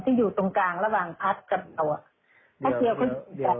ที่อยู่ตรงกลางระหว่างพราคกับเรา